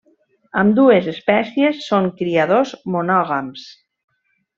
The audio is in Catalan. Ambdues espècies són criadors monògams.